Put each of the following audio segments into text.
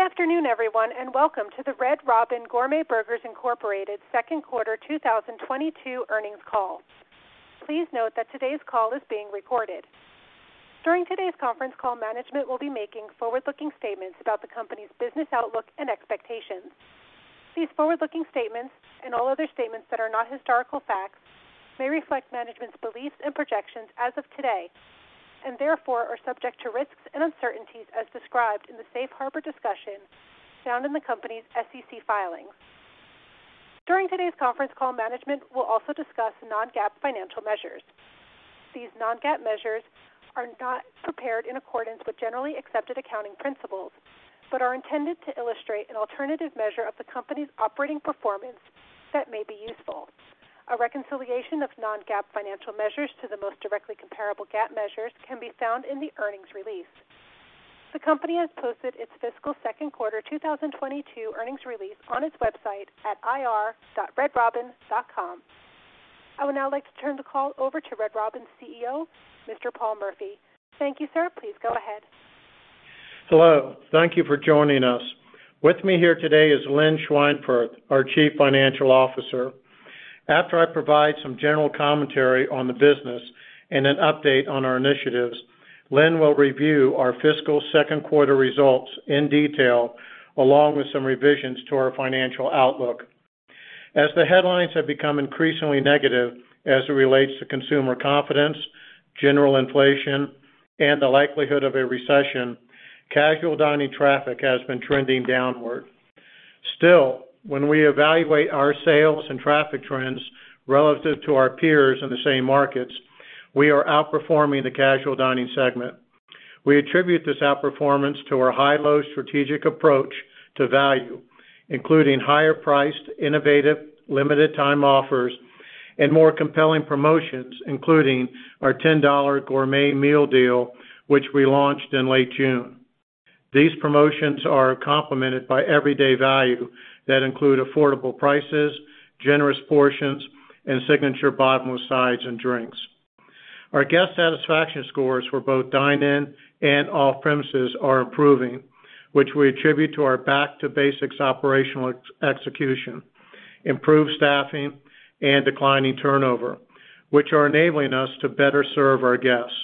Good afternoon, everyone, and welcome to the Red Robin Gourmet Burgers, Inc. Second quarter 2022 earnings call. Please note that today's call is being recorded. During today's conference call, management will be making forward-looking statements about the company's business outlook and expectations. These forward-looking statements, and all other statements that are not historical facts, may reflect management's beliefs and projections as of today, and therefore are subject to risks and uncertainties as described in the safe harbor discussion found in the company's SEC filings. During today's conference call, management will also discuss non-GAAP financial measures. These non-GAAP measures are not prepared in accordance with generally accepted accounting principles, but are intended to illustrate an alternative measure of the company's operating performance that may be useful. A reconciliation of non-GAAP financial measures to the most directly comparable GAAP measures can be found in the earnings release. The company has posted its fiscal second quarter 2022 earnings release on its website at ir.redrobin.com. I would now like to turn the call over to Red Robin's CEO, Mr. Paul Murphy. Thank you, sir. Please go ahead. Hello. Thank you for joining us. With me here today is Lynn Schweinfurth, our Chief Financial Officer. After I provide some general commentary on the business and an update on our initiatives, Lynn will review our fiscal second quarter results in detail, along with some revisions to our financial outlook. As the headlines have become increasingly negative as it relates to consumer confidence, general inflation, and the likelihood of a recession, casual dining traffic has been trending downward. Still, when we evaluate our sales and traffic trends relative to our peers in the same markets, we are outperforming the casual dining segment. We attribute this outperformance to our high-low strategic approach to value, including higher priced, innovative, limited time offers and more compelling promotions, including our $10 Gourmet Meal Deal, which we launched in late June. These promotions are complemented by everyday value that include affordable prices, generous portions, and signature bottomless sides and drinks. Our guest satisfaction scores for both dine-in and off-premises are improving, which we attribute to our back to basics operational execution, improved staffing and declining turnover, which are enabling us to better serve our guests.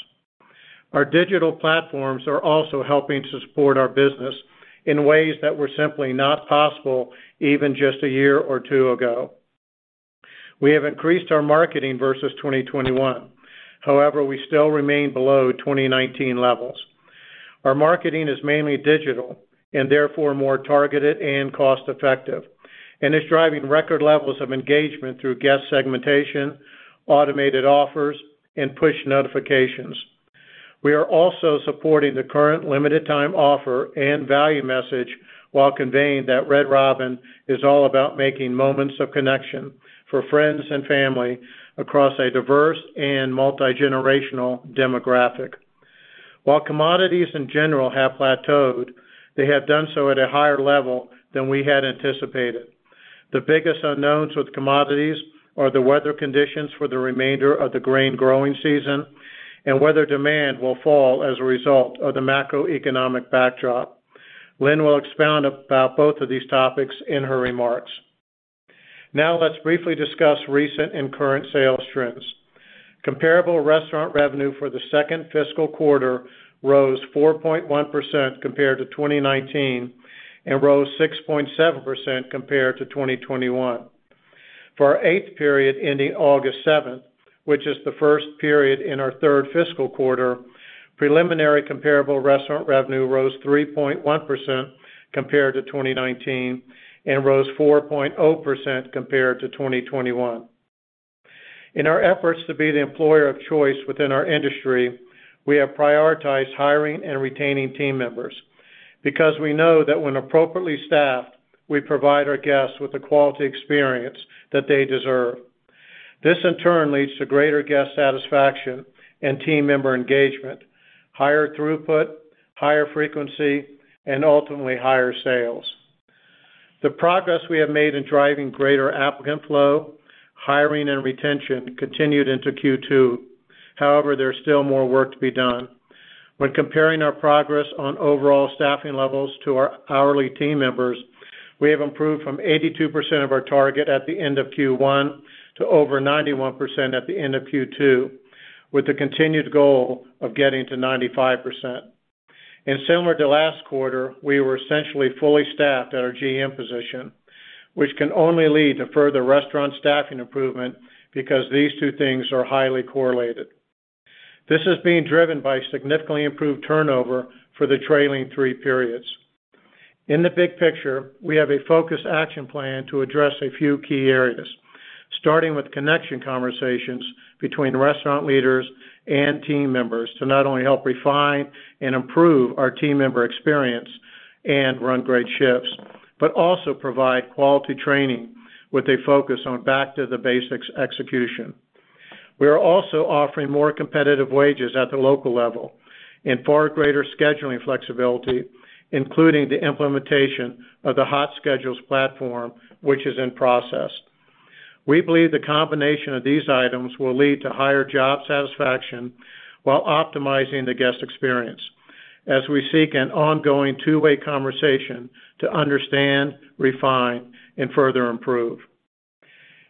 Our digital platforms are also helping to support our business in ways that were simply not possible even just a year or two ago. We have increased our marketing versus 2021. However, we still remain below 2019 levels. Our marketing is mainly digital and therefore more targeted and cost-effective, and it's driving record levels of engagement through guest segmentation, automated offers, and push notifications. We are also supporting the current limited-time offer and value message while conveying that Red Robin is all about making moments of connection for friends and family across a diverse and multigenerational demographic. While commodities in general have plateaued, they have done so at a higher level than we had anticipated. The biggest unknowns with commodities are the weather conditions for the remainder of the grain growing season and whether demand will fall as a result of the macroeconomic backdrop. Lynn will expound about both of these topics in her remarks. Now let's briefly discuss recent and current sales trends. Comparable restaurant revenue for the second fiscal quarter rose 4.1% compared to 2019 and rose 6.7% compared to 2021. For our eighth period ending August 7th, which is the first period in our third fiscal quarter, preliminary Comparable Restaurant Revenue rose 3.1% compared to 2019 and rose 4.0% compared to 2021. In our efforts to be the employer of choice within our industry, we have prioritized hiring and retaining team members because we know that when appropriately staffed, we provide our guests with the quality experience that they deserve. This in turn leads to greater guest satisfaction and team member engagement, higher throughput, higher frequency, and ultimately higher sales. The progress we have made in driving greater applicant flow, hiring, and retention continued into Q2. However, there's still more work to be done. When comparing our progress on overall staffing levels to our hourly team members, we have improved from 82% of our target at the end of Q1 to over 91% at the end of Q2, with the continued goal of getting to 95%. Similar to last quarter, we were essentially fully staffed at our GM position, which can only lead to further restaurant staffing improvement because these two things are highly correlated. This is being driven by significantly improved turnover for the trailing three periods. In the big picture, we have a focused action plan to address a few key areas, starting with connection conversations between restaurant leaders and team members to not only help refine and improve our team member experience and run great shifts, but also provide quality training with a focus on back to the basics execution. We are also offering more competitive wages at the local level and far greater scheduling flexibility, including the implementation of the HotSchedules platform, which is in process. We believe the combination of these items will lead to higher job satisfaction while optimizing the guest experience as we seek an ongoing two-way conversation to understand, refine, and further improve.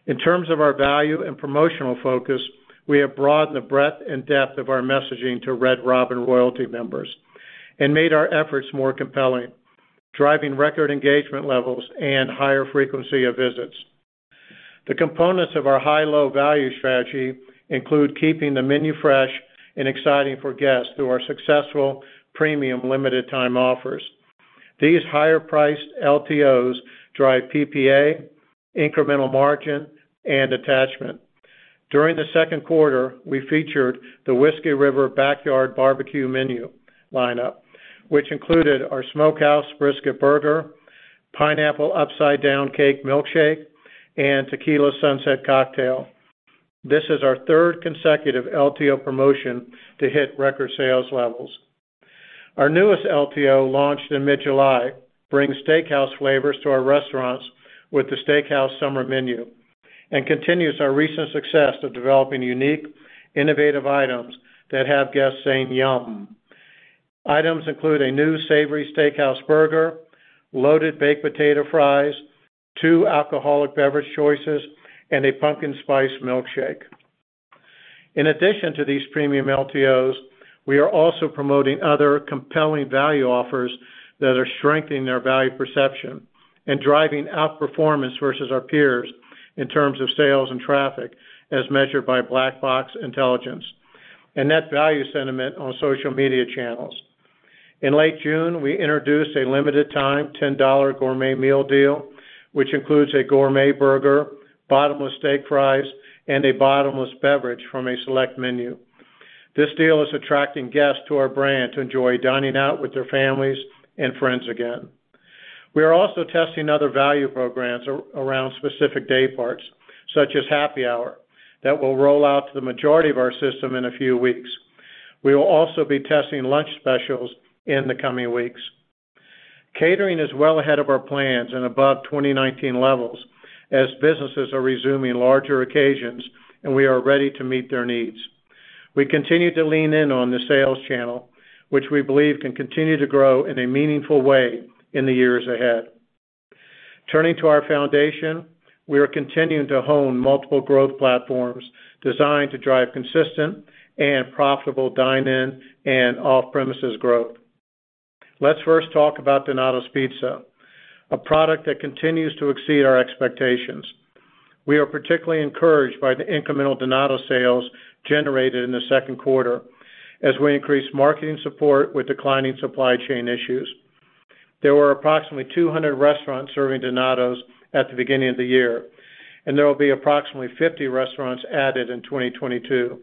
In terms of our value and promotional focus, we have broadened the breadth and depth of our messaging to Red Robin Royalty members and made our efforts more compelling, driving record engagement levels and higher frequency of visits. The components of our high-low value strategy include keeping the menu fresh and exciting for guests through our successful premium limited time offers. These higher priced LTOs drive PPA, incremental margin, and attachment. During the second quarter, we featured the Whiskey River Backyard Barbecue menu lineup, which included our Smokehouse Brisket Burger, Pineapple Upside-Down Cake Milkshake, and Tequila Sunset Cocktail. This is our third consecutive LTO promotion to hit record sales levels. Our newest LTO, launched in mid-July, brings steakhouse flavors to our restaurants with the Steakhouse Summer Menu and continues our recent success of developing unique, innovative items that have guests saying, "Yum." Items include a new savory steakhouse burger, Loaded Baked Potato Fries, two alcoholic beverage choices, and a pumpkin spice milkshake. In addition to these premium LTOs, we are also promoting other compelling value offers that are strengthening their value perception and driving outperformance versus our peers in terms of sales and traffic as measured by Black Box Intelligence and net value sentiment on social media channels. In late June, we introduced a limited-time $10 Gourmet Meal Deal, which includes a gourmet burger, bottomless steak fries, and a bottomless beverage from a select menu. This deal is attracting guests to our brand to enjoy dining out with their families and friends again. We are also testing other value programs around specific day parts, such as happy hour, that will roll out to the majority of our system in a few weeks. We will also be testing lunch specials in the coming weeks. Catering is well ahead of our plans and above 2019 levels as businesses are resuming larger occasions, and we are ready to meet their needs. We continue to lean in on the sales channel, which we believe can continue to grow in a meaningful way in the years ahead. Turning to our foundation, we are continuing to hone multiple growth platforms designed to drive consistent and profitable dine-in and off-premises growth. Let's first talk about Donatos Pizza, a product that continues to exceed our expectations. We are particularly encouraged by the incremental Donatos sales generated in the second quarter as we increase marketing support with declining supply chain issues. There were approximately 200 restaurants serving Donatos at the beginning of the year, and there will be approximately 50 restaurants added in 2022.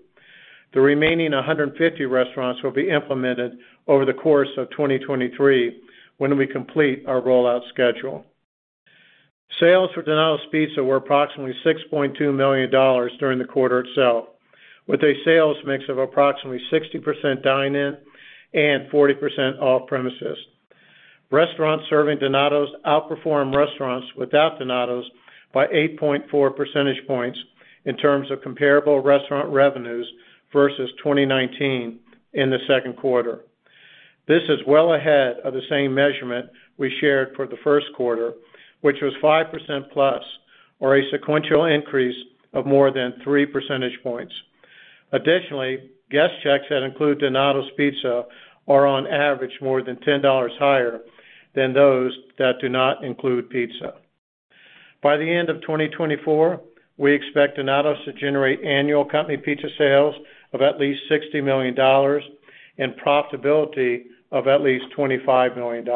The remaining 150 restaurants will be implemented over the course of 2023 when we complete our rollout schedule. Sales for Donatos Pizza were approximately $6.2 million during the quarter itself, with a sales mix of approximately 60% dine-in and 40% off-premises. Restaurants serving Donatos outperform restaurants without Donatos by 8.4 percentage points in terms of comparable restaurant revenues versus 2019 in the second quarter. This is well ahead of the same measurement we shared for the first quarter, which was 5%+ or a sequential increase of more than 3 percentage points. Additionally, guest checks that include Donatos Pizza are on average more than $10 higher than those that do not include pizza. By the end of 2024, we expect Donatos to generate annual company pizza sales of at least $60 million and profitability of at least $25 million.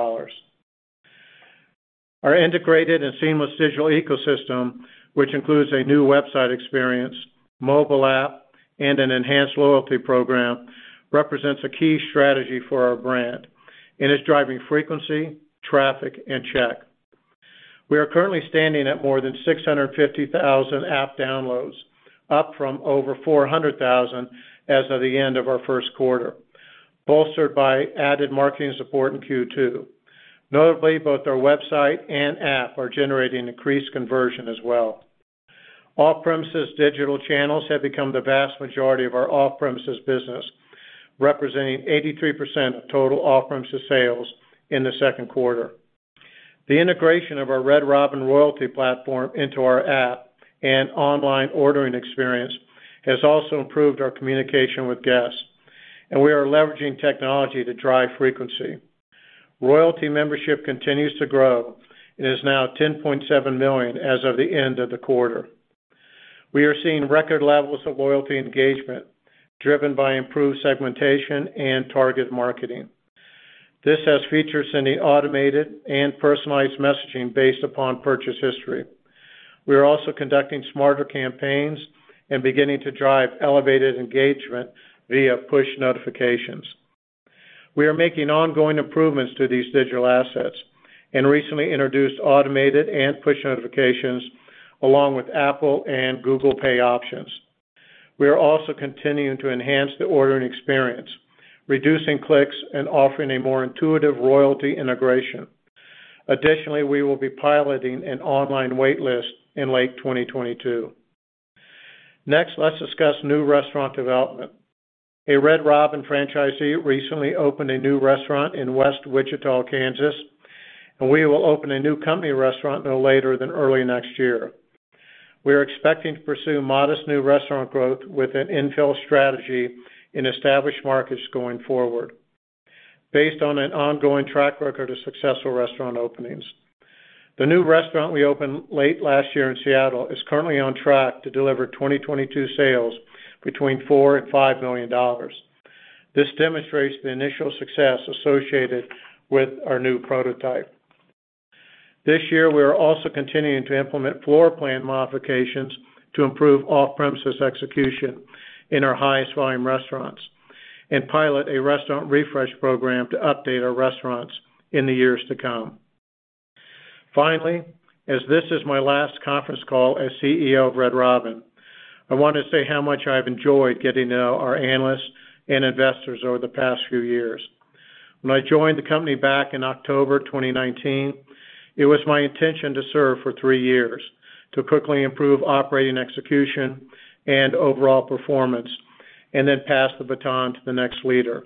Our integrated and seamless digital ecosystem, which includes a new website experience, mobile app, and an enhanced loyalty program, represents a key strategy for our brand and is driving frequency, traffic, and check. We are currently standing at more than 650,000 app downloads, up from over 400,000 as of the end of our first quarter, bolstered by added marketing support in Q2. Notably, both our website and app are generating increased conversion as well. Off-premises digital channels have become the vast majority of our off-premises business, representing 83% of total off-premises sales in the second quarter. The integration of our Red Robin Royalty platform into our app and online ordering experience has also improved our communication with guests, and we are leveraging technology to drive frequency. Royalty membership continues to grow and is now 10.7 million as of the end of the quarter. We are seeing record levels of loyalty engagement driven by improved segmentation and target marketing. This has features in the automated and personalized messaging based upon purchase history. We are also conducting smarter campaigns and beginning to drive elevated engagement via push notifications. We are making ongoing improvements to these digital assets and recently introduced automated and push notifications along with Apple Pay and Google Pay options. We are also continuing to enhance the ordering experience, reducing clicks and offering a more intuitive royalty integration. Additionally, we will be piloting an online wait list in late 2022. Next, let's discuss new restaurant development. A Red Robin franchisee recently opened a new restaurant in West Wichita, Kansas, and we will open a new company restaurant no later than early next year. We are expecting to pursue modest new restaurant growth with an infill strategy in established markets going forward based on an ongoing track record of successful restaurant openings. The new restaurant we opened late last year in Seattle is currently on track to deliver 2022 sales between $4 million and $5 million. This demonstrates the initial success associated with our new prototype. This year, we are also continuing to implement floor plan modifications to improve off-premises execution in our highest volume restaurants and pilot a restaurant refresh program to update our restaurants in the years to come. Finally, as this is my last conference call as CEO of Red Robin, I want to say how much I've enjoyed getting to know our analysts and investors over the past few years. When I joined the company back in October 2019, it was my intention to serve for three years to quickly improve operating execution and overall performance and then pass the baton to the next leader.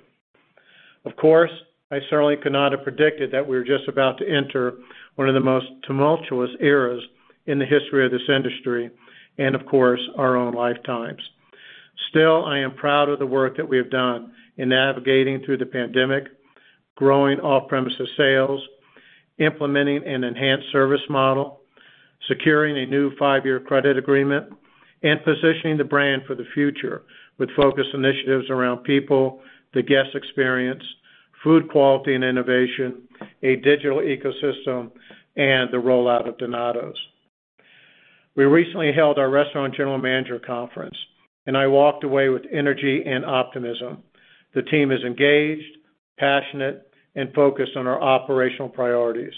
Of course, I certainly could not have predicted that we were just about to enter one of the most tumultuous eras in the history of this industry and, of course, our own lifetimes. Still, I am proud of the work that we have done in navigating through the pandemic, growing off-premises sales, implementing an enhanced service model, securing a new five-year credit agreement, and positioning the brand for the future with focused initiatives around people, the guest experience, food quality and innovation, a digital ecosystem, and the rollout of Donatos. We recently held our restaurant general manager conference, and I walked away with energy and optimism. The team is engaged, passionate, and focused on our operational priorities.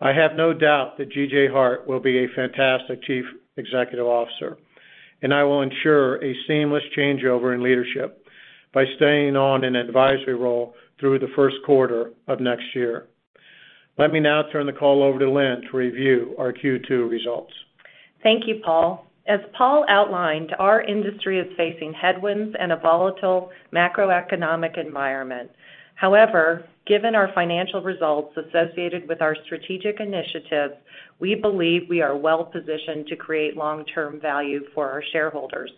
I have no doubt that G.J. Hart will be a fantastic Chief Executive Officer, and I will ensure a seamless changeover in leadership by staying on an advisory role through the first quarter of next year. Let me now turn the call over to Lynn to review our Q2 results. Thank you, Paul. As Paul outlined, our industry is facing headwinds and a volatile macroeconomic environment. However, given our financial results associated with our strategic initiatives, we believe we are well positioned to create long-term value for our shareholders.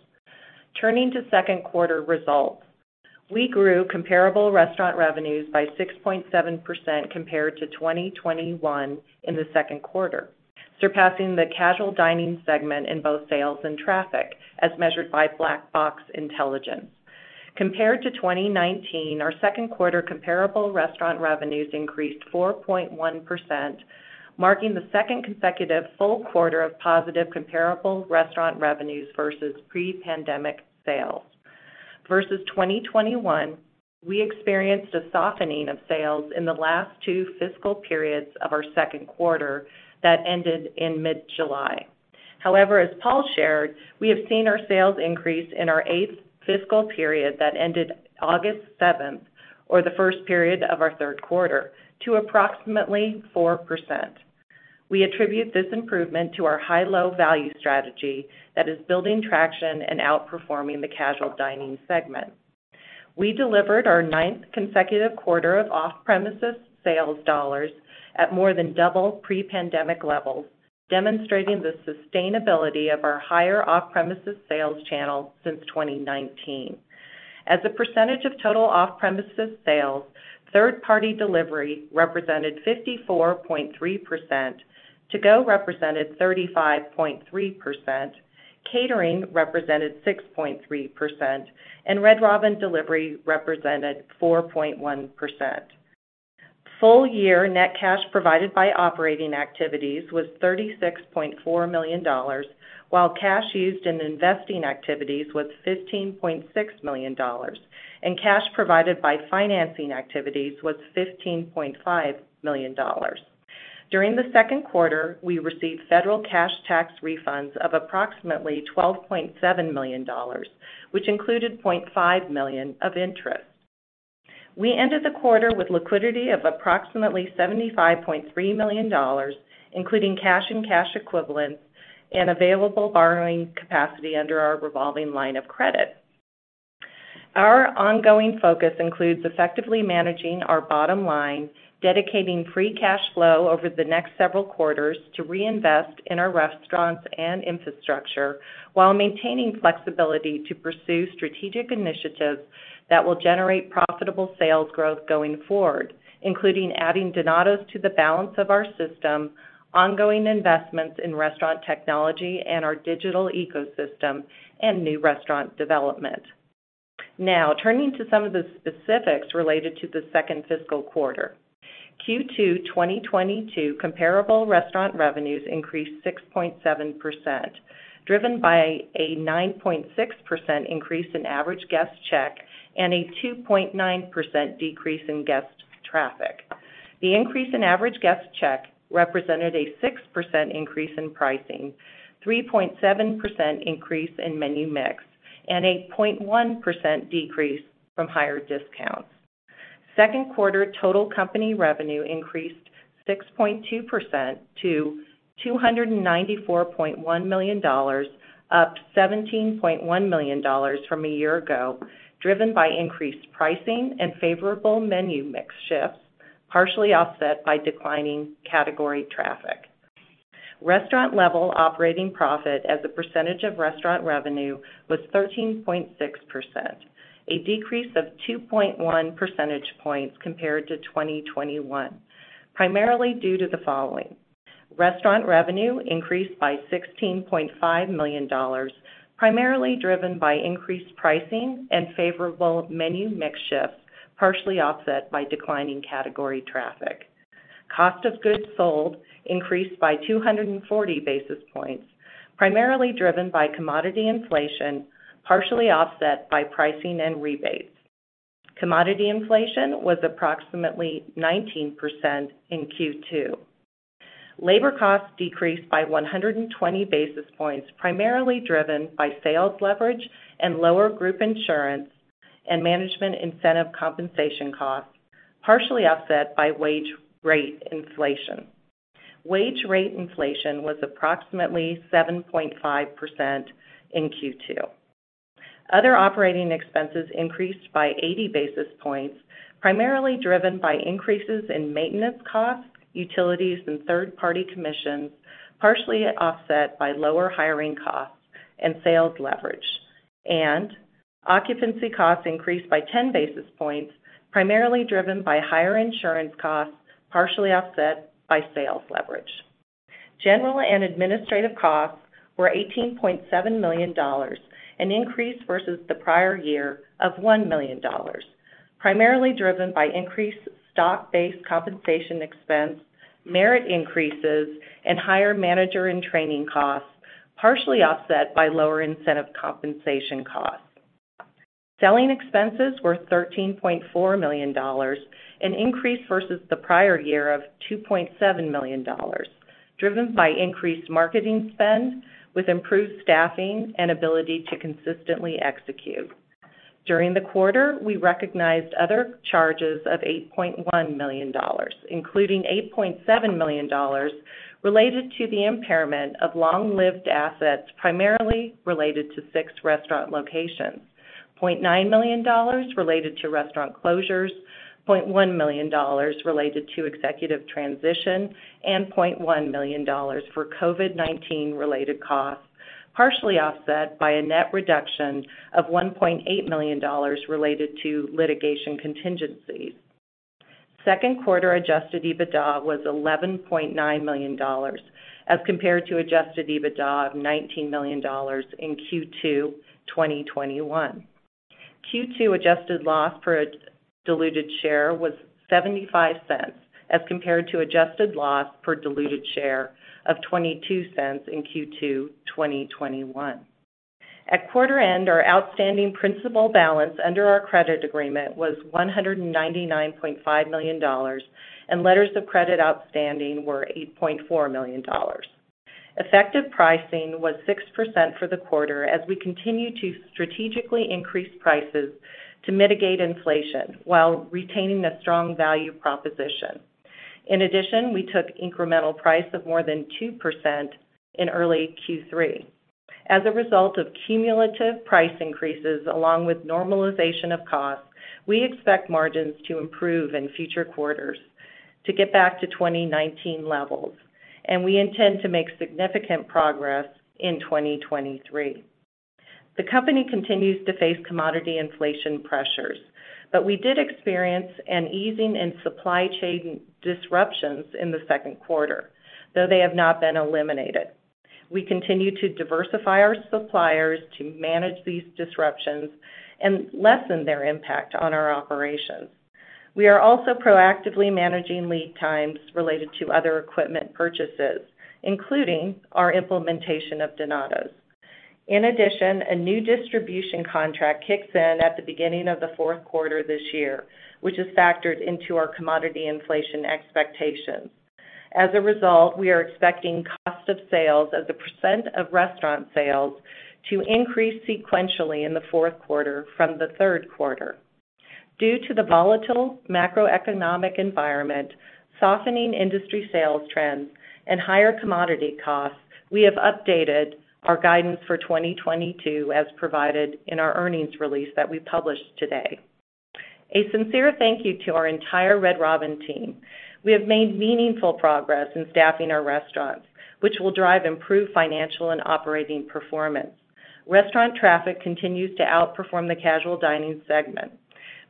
Turning to second quarter results, we grew comparable restaurant revenues by 6.7% compared to 2021 in the second quarter, surpassing the casual dining segment in both sales and traffic as measured by Black Box Intelligence. Compared to 2019, our second quarter comparable restaurant revenues increased 4.1%, marking the second consecutive full quarter of positive comparable restaurant revenues versus pre-pandemic sales. Versus 2021, we experienced a softening of sales in the last two fiscal periods of our second quarter that ended in mid-July. However, as Paul shared, we have seen our sales increase in our eighth fiscal period that ended August 7th, or the first period of our third quarter, to approximately 4%. We attribute this improvement to our high-low value strategy that is building traction and outperforming the casual dining segment. We delivered our ninth consecutive quarter of off-premises sales dollars at more than double pre-pandemic levels, demonstrating the sustainability of our higher off-premises sales channel since 2019. As a percentage of total off-premises sales, third-party delivery represented 54.3%, to-go represented 35.3%, catering represented 6.3%, and Red Robin delivery represented 4.1%. Full year net cash provided by operating activities was $36.4 million, while cash used in investing activities was $15.6 million, and cash provided by financing activities was $15.5 million. During the second quarter, we received federal cash tax refunds of approximately $12.7 million, which included $0.5 million of interest. We ended the quarter with liquidity of approximately $75.3 million, including cash and cash equivalents and available borrowing capacity under our revolving line of credit. Our ongoing focus includes effectively managing our bottom line, dedicating free cash flow over the next several quarters to reinvest in our restaurants and infrastructure while maintaining flexibility to pursue strategic initiatives that will generate profitable sales growth going forward, including adding Donatos to the balance of our system, ongoing investments in restaurant technology and our digital ecosystem, and new restaurant development. Now, turning to some of the specifics related to the second fiscal quarter. Q2 2022 comparable restaurant revenues increased 6.7%, driven by a 9.6% increase in average guest check and a 2.9% decrease in guest traffic. The increase in average guest check represented a 6% increase in pricing, 3.7% increase in menu mix, and a 0.1% decrease from higher discounts. Second-quarter total company revenue increased 6.2% to $294.1 million, up $17.1 million from a year ago, driven by increased pricing and favorable menu mix shifts, partially offset by declining category traffic. Restaurant-level operating profit as a percentage of restaurant revenue was 13.6%, a decrease of 2.1 percentage points compared to 2021, primarily due to the following. Restaurant revenue increased by $16.5 million, primarily driven by increased pricing and favorable menu mix shifts, partially offset by declining category traffic. Cost of goods sold increased by 240 basis points, primarily driven by commodity inflation, partially offset by pricing and rebates. Commodity inflation was approximately 19% in Q2. Labor costs decreased by 120 basis points, primarily driven by sales leverage and lower group insurance and management incentive compensation costs, partially offset by wage rate inflation. Wage rate inflation was approximately 7.5% in Q2. Other operating expenses increased by 80 basis points, primarily driven by increases in maintenance costs, utilities, and third-party commissions, partially offset by lower hiring costs and sales leverage. Occupancy costs increased by 10 basis points, primarily driven by higher insurance costs, partially offset by sales leverage. General and administrative costs were $18.7 million, an increase versus the prior year of $1 million, primarily driven by increased stock-based compensation expense, merit increases, and higher manager and training costs, partially offset by lower incentive compensation costs. Selling expenses were $13.4 million, an increase versus the prior year of $2.7 million, driven by increased marketing spend with improved staffing and ability to consistently execute. During the quarter, we recognized other charges of $8.1 million, including $8.7 million related to the impairment of long-lived assets primarily related to six restaurant locations, $0.9 million related to restaurant closures, $0.1 million related to executive transition, and $0.1 million for COVID-19 related costs, partially offset by a net reduction of $1.8 million related to litigation contingencies. Second quarter adjusted EBITDA was $11.9 million as compared to adjusted EBITDA of $19 million in Q2 2021. Q2 adjusted loss per diluted share was $0.75 as compared to adjusted loss per diluted share of $0.22 in Q2 2021. At quarter end, our outstanding principal balance under our credit agreement was $199.5 million, and letters of credit outstanding were $8.4 million. Effective pricing was 6% for the quarter as we continue to strategically increase prices to mitigate inflation while retaining a strong value proposition. In addition, we took incremental price of more than 2% in early Q3. As a result of cumulative price increases along with normalization of costs, we expect margins to improve in future quarters to get back to 2019 levels, and we intend to make significant progress in 2023. The company continues to face commodity inflation pressures, but we did experience an easing in supply chain disruptions in the second quarter, though they have not been eliminated. We continue to diversify our suppliers to manage these disruptions and lessen their impact on our operations. We are also proactively managing lead times related to other equipment purchases, including our implementation of Donatos. In addition, a new distribution contract kicks in at the beginning of the fourth quarter this year, which is factored into our commodity inflation expectations. As a result, we are expecting cost of sales as a percent of restaurant sales to increase sequentially in the fourth quarter from the third quarter. Due to the volatile macroeconomic environment, softening industry sales trends, and higher commodity costs, we have updated our guidance for 2022 as provided in our earnings release that we published today. A sincere thank you to our entire Red Robin team. We have made meaningful progress in staffing our restaurants, which will drive improved financial and operating performance. Restaurant traffic continues to outperform the casual dining segment.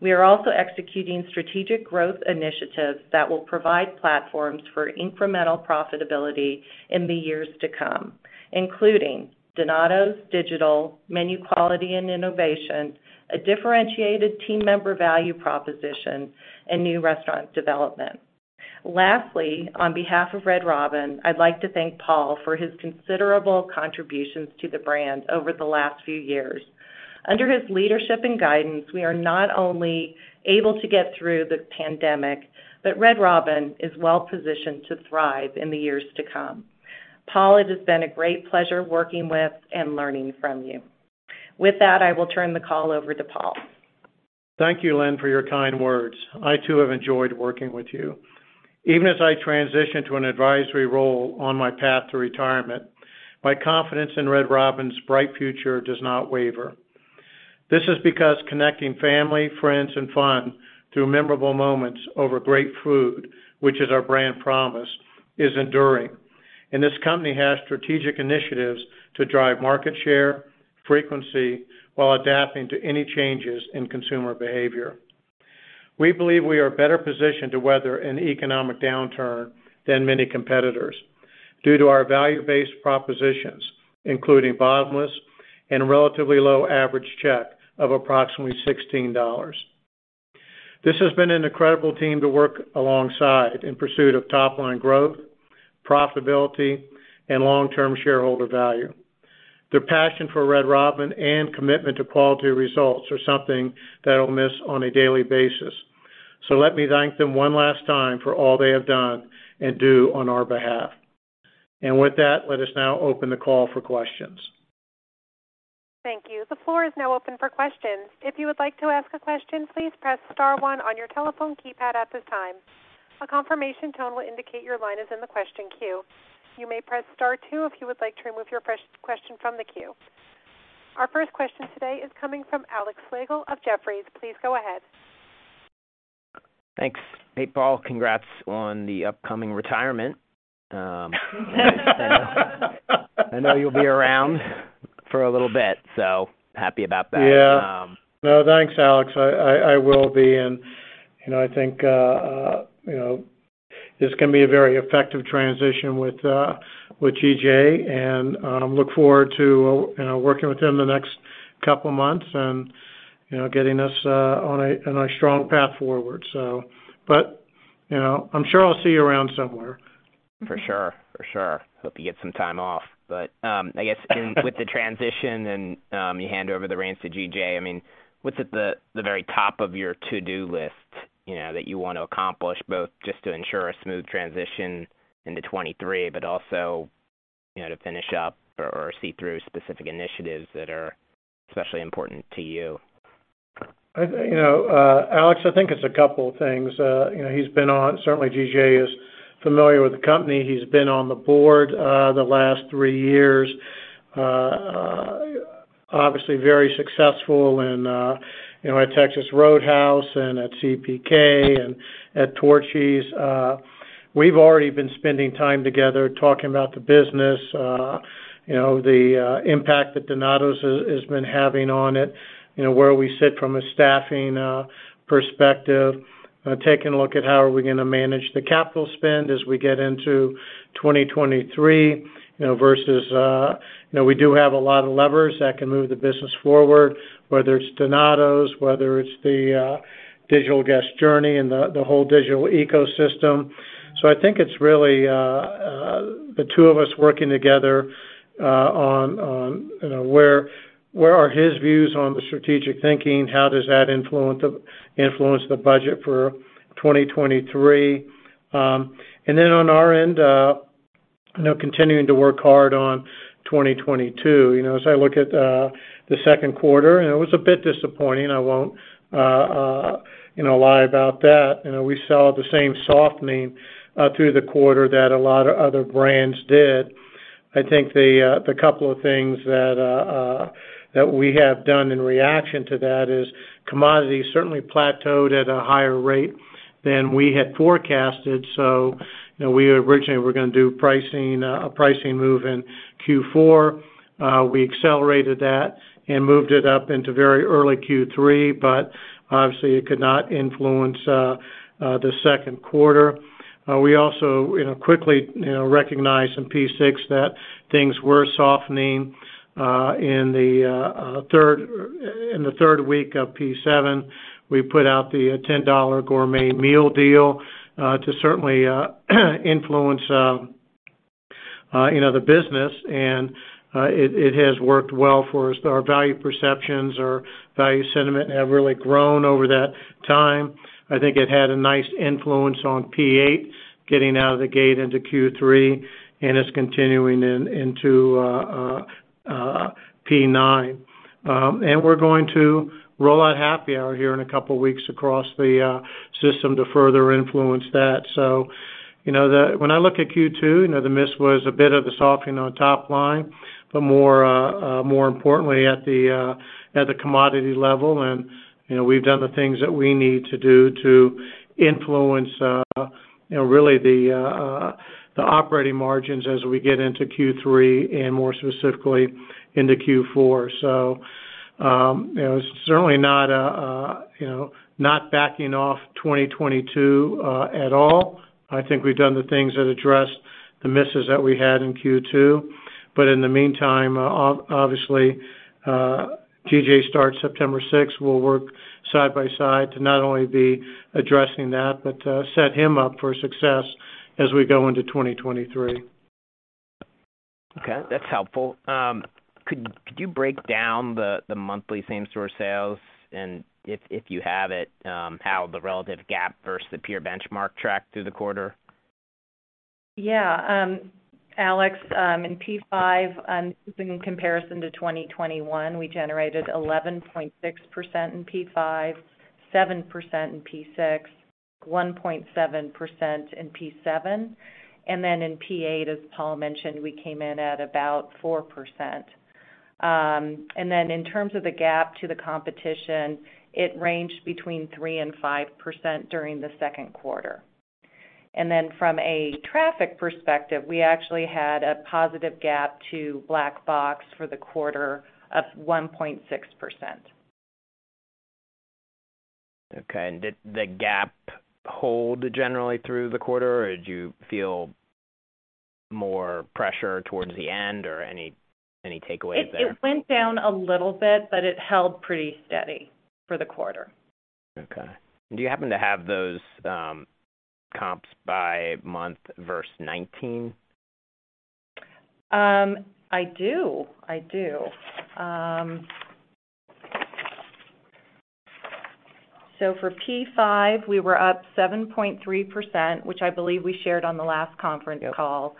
We are also executing strategic growth initiatives that will provide platforms for incremental profitability in the years to come, including Donatos, digital, menu quality and innovation, a differentiated team member value proposition, and new restaurant development. Lastly, on behalf of Red Robin, I'd like to thank Paul for his considerable contributions to the brand over the last few years. Under his leadership and guidance, we are not only able to get through the pandemic, but Red Robin is well positioned to thrive in the years to come. Paul, it has been a great pleasure working with and learning from you. With that, I will turn the call over to Paul. Thank you, Lynn, for your kind words. I too have enjoyed working with you. Even as I transition to an advisory role on my path to retirement, my confidence in Red Robin's bright future does not waver. This is because connecting family, friends, and fun through memorable moments over great food, which is our brand promise, is enduring. This company has strategic initiatives to drive market share, frequency while adapting to any changes in consumer behavior. We believe we are better positioned to weather an economic downturn than many competitors due to our value-based propositions, including bottomless and relatively low average check of approximately $16. This has been an incredible team to work alongside in pursuit of top line growth, profitability, and long-term shareholder value. Their passion for Red Robin and commitment to quality results are something that I'll miss on a daily basis. let me thank them one last time for all they have done and do on our behalf. With that, let us now open the call for questions. Thank you. The floor is now open for questions. If you would like to ask a question, please press star one on your telephone keypad at this time. A confirmation tone will indicate your line is in the question queue. You may press star two if you would like to remove your question from the queue. Our first question today is coming from Alex Slagle of Jefferies. Please go ahead. Thanks. Hey, Paul. Congrats on the upcoming retirement. I know you'll be around for a little bit, so happy about that. Yeah. No, thanks, Alex. I will be. You know, I think you know this can be a very effective transition with G.J., and look forward to you know working with him the next couple of months and you know getting us on a strong path forward. You know, I'm sure I'll see you around somewhere. For sure. Hope you get some time off. I guess with the transition and you hand over the reins to G.J., I mean, what's at the very top of your to-do list, you know, that you want to accomplish, both just to ensure a smooth transition into 2023, but also, you know, to finish up or see through specific initiatives that are especially important to you? You know, Alex, I think it's a couple of things. Certainly G.J. Hart is familiar with the company. He's been on the board the last three years. Obviously very successful and, you know, at Texas Roadhouse and at CPK and at Torchy's. We've already been spending time together talking about the business, you know, the impact that Donatos has been having on it, you know, where we sit from a staffing perspective, taking a look at how are we going to manage the capital spend as we get into 2023, you know, versus, you know, we do have a lot of levers that can move the business forward, whether it's Donatos, whether it's the digital guest journey and the whole digital ecosystem. I think it's really the two of us working together on you know where his views on the strategic thinking. How does that influence the budget for 2023? Then on our end you know continuing to work hard on 2022. You know as I look at the second quarter and it was a bit disappointing. I won't you know lie about that. You know we saw the same softening through the quarter that a lot of other brands did. I think the couple of things that we have done in reaction to that is commodities certainly plateaued at a higher rate than we had forecasted. You know we originally were going to do pricing a pricing move in Q4. We accelerated that and moved it up into very early Q3, but obviously it could not influence the second quarter. We also, you know, quickly, you know, recognized in P6 that things were softening in the third week of P7. We put out the $10 Gourmet Meal Deal to certainly influence, you know, the business. It has worked well for us. Our value perceptions or value sentiment have really grown over that time. I think it had a nice influence on P8 getting out of the gate into Q3, and it's continuing into P9. We're going to roll out happy hour here in a couple of weeks across the system to further influence that. You know, when I look at Q2, you know, the miss was a bit of a softening on top line, but more importantly, at the commodity level. You know, we've done the things that we need to do to influence you know, really the operating margins as we get into Q3 and more specifically into Q4. You know, it's certainly not a you know, not backing off 2022 at all. I think we've done the things that address the misses that we had in Q2. In the meantime, obviously, G.J. starts September 6th. We'll work side by side to not only be addressing that, but set him up for success as we go into 2023. Okay, that's helpful. Could you break down the monthly same-store sales? If you have it, how the relative gap versus the peer benchmark tracked through the quarter? Yeah. Alex, in P5, in comparison to 2021, we generated 11.6% in P5, 7% in P6, 1.7% in P7, and then in P8, as Paul mentioned, we came in at about 4%. In terms of the gap to the competition, it ranged between 3% and 5% during the second quarter. From a traffic perspective, we actually had a positive gap to Black Box for the quarter of 1.6%. Okay. Did the gap hold generally through the quarter, or did you feel more pressure towards the end or any takeaways there? It went down a little bit, but it held pretty steady for the quarter. Okay. Do you happen to have those comps by month versus 2019? I do. For P5, we were up 7.3%, which I believe we shared on the last conference call.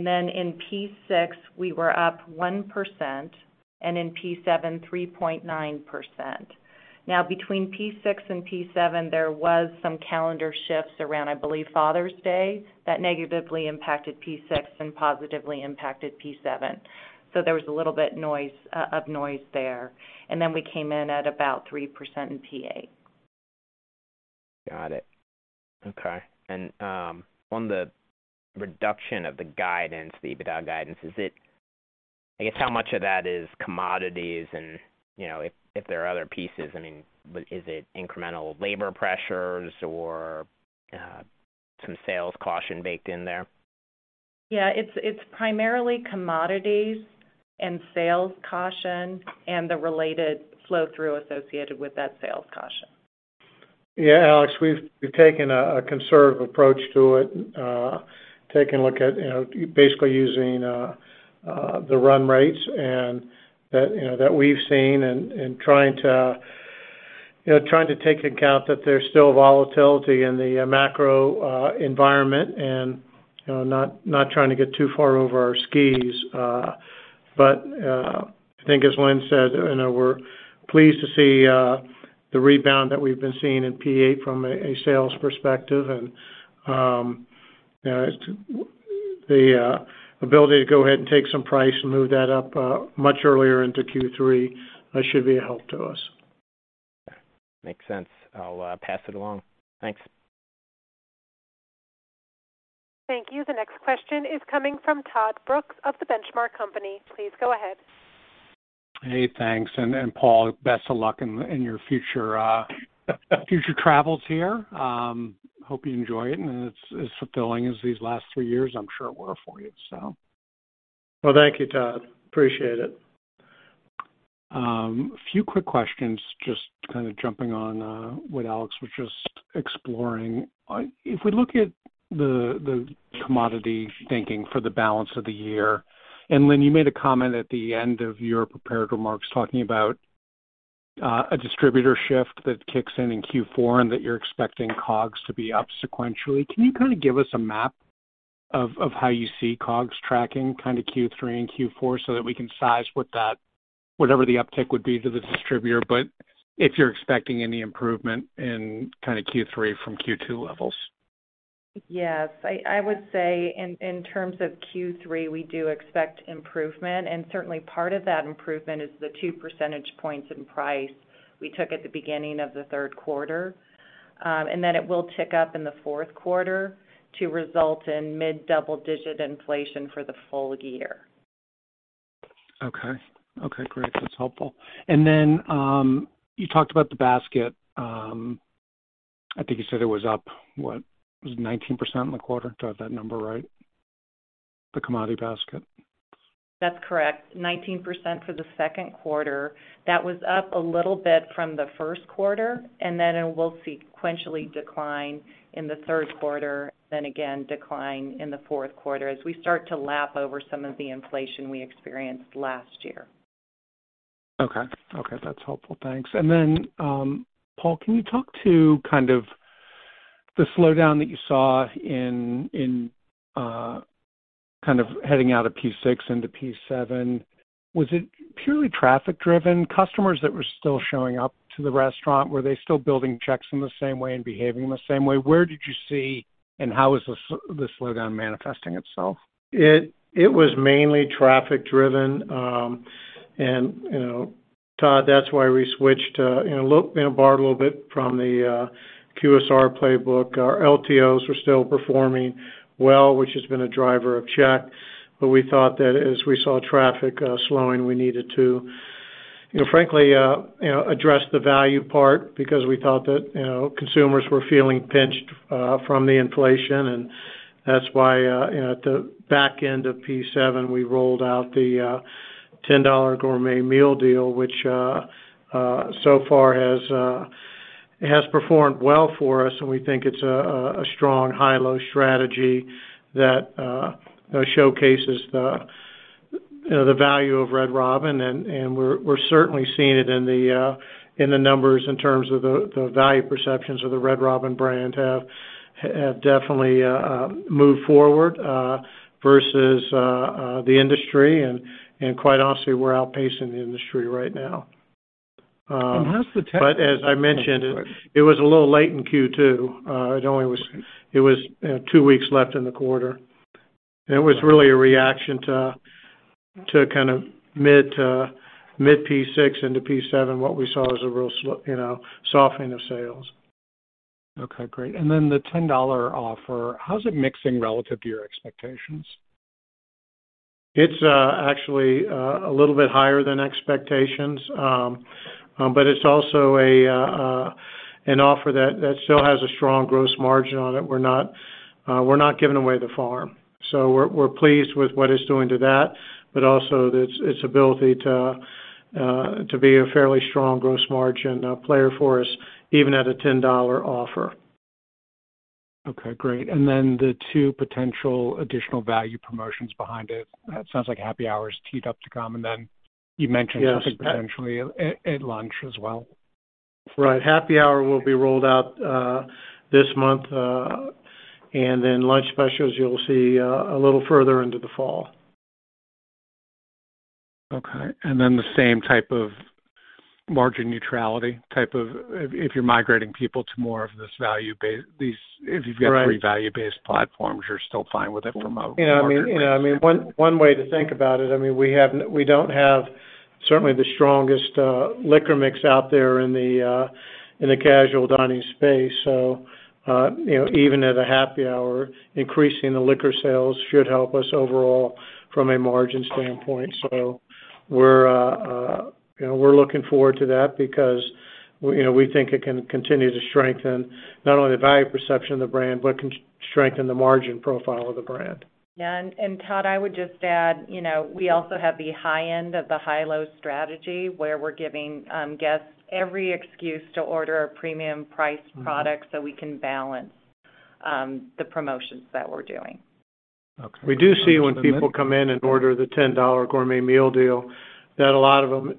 Yep. In P6, we were up 1%, and in P7, 3.9%. Now, between P6 and P7, there was some calendar shifts around, I believe, Father's Day, that negatively impacted P6 and positively impacted P7. There was a little bit of noise there. We came in at about 3% in P8. Got it. Okay. On the reduction of the guidance, the EBITDA guidance, is it I guess how much of that is commodities and, you know, if there are other pieces, I mean, but is it incremental labor pressures or some sales caution baked in there? Yeah, it's primarily commodities and sales comps and the related flow-through associated with that sales comps. Yeah, Alex, we've taken a conservative approach to it, taking a look at, you know, basically using the run rates and that, you know, that we've seen and trying to take into account that there's still volatility in the macro environment and, you know, not trying to get too far over our skis. I think as Lynn said, you know, we're pleased to see the rebound that we've been seeing in Q2 from a sales perspective. You know, it's the ability to go ahead and take some price and move that up much earlier into Q3 should be a help to us. Makes sense. I'll pass it along. Thanks. Thank you. The next question is coming from Todd Brooks of The Benchmark Company. Please go ahead. Hey, thanks. Paul, best of luck in your future travels here. Hope you enjoy it and it's as fulfilling as these last three years I'm sure were for you so. Well, thank you, Todd. Appreciate it. A few quick questions, just kind of jumping on what Alex was just exploring. If we look at the commodity thinking for the balance of the year, and Lynn, you made a comment at the end of your prepared remarks talking about a distributor shift that kicks in in Q4, and that you're expecting COGS to be up sequentially. Can you kind of give us a map of how you see COGS tracking kind of Q3 and Q4 so that we can size what that whatever the uptick would be to the distributor, but if you're expecting any improvement in kind of Q3 from Q2 levels? Yes. I would say in terms of Q3, we do expect improvement, and certainly part of that improvement is the 2 percentage points in price we took at the beginning of the third quarter. Then it will tick up in the fourth quarter to result in mid-double-digit inflation for the full year. Okay. Okay, great. That's helpful. You talked about the basket. I think you said it was up, what? Was it 19% in the quarter? Do I have that number right? The commodity basket. That's correct. 19% for the second quarter. That was up a little bit from the first quarter, and then it will sequentially decline in the third quarter, then again decline in the fourth quarter as we start to lap over some of the inflation we experienced last year. Okay. Okay, that's helpful. Thanks. Then, Paul, can you talk to kind of the slowdown that you saw in kind of heading out of P6 into P7? Was it purely traffic driven? Customers that were still showing up to the restaurant, were they still building checks in the same way and behaving the same way? Where did you see, and how is the slowdown manifesting itself? It was mainly traffic driven. You know, Todd, that's why we switched, you know, look, you know, borrowed a little bit from the QSR playbook. Our LTOs were still performing well, which has been a driver of check. But we thought that as we saw traffic slowing, we needed to, you know, frankly, you know, address the value part because we thought that, you know, consumers were feeling pinched from the inflation. That's why, you know, at the back end of P7, we rolled out the $10 Gourmet Meal Deal, which so far has performed well for us, and we think it's a strong high-low strategy that showcases, you know, the value of Red Robin. We're certainly seeing it in the numbers in terms of the value perceptions of the Red Robin brand have definitely moved forward versus the industry. Quite honestly, we're outpacing the industry right now. How's the tech- As I mentioned, it was a little late in Q2. It was only, you know, two weeks left in the quarter. It was really a reaction to kind of mid-P6 into P7. What we saw was a real, you know, softening of sales. Okay, great. The $10 offer, how's it mixing relative to your expectations? It's actually a little bit higher than expectations. It's also an offer that still has a strong gross margin on it. We're not giving away the farm. We're pleased with what it's doing to that, but also its ability to be a fairly strong gross margin player for us, even at a $10 offer. Okay, great. The two potential additional value promotions behind it. It sounds like happy hour is teed up to come, and then you mentioned. Yes. Potentially at lunch as well. Right. Happy hour will be rolled out this month. Lunch specials you'll see a little further into the fall. Okay. The same type of margin neutrality. If you're migrating people to more of this value-based, these- Right. if you've got three value-based platforms, you're still fine with it from a margin. You know, I mean, you know, I mean, one way to think about it, I mean, we don't have certainly the strongest liquor mix out there in the casual dining space. You know, even at a happy hour, increasing the liquor sales should help us overall from a margin standpoint. We're, you know, we're looking forward to that because we, you know, we think it can continue to strengthen not only the value perception of the brand, but can strengthen the margin profile of the brand. Yeah. Todd, I would just add, you know, we also have the high end of the high-low strategy, where we're giving guests every excuse to order a premium priced product. Mm-hmm. We can balance the promotions that we're doing. Okay. We do see when people come in and order the $10 Gourmet Meal Deal that a lot of them,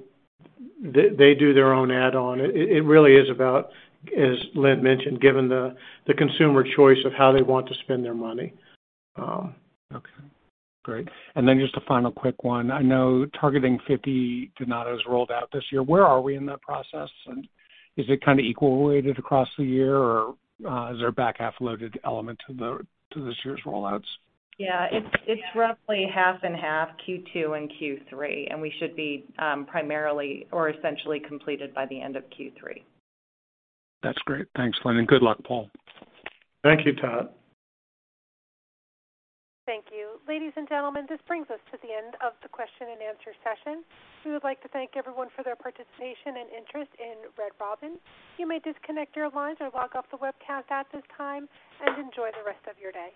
they do their own add-on. It really is about, as Lynn mentioned, giving the consumer choice of how they want to spend their money. Okay, great. Just a final quick one. I know targeting 50 Donatos rolled out this year. Where are we in that process? Is it kind of equal weighted across the year, or is there a back half loaded element to this year's rollouts? Yeah. It's roughly 50/50 Q2 and Q3, and we should be primarily or essentially completed by the end of Q3. That's great. Thanks, Lynn, and good luck, Paul. Thank you, Todd. Thank you. Ladies and gentlemen, this brings us to the end of the question and answer session. We would like to thank everyone for their participation and interest in Red Robin. You may disconnect your lines or log off the webcast at this time, and enjoy the rest of your day.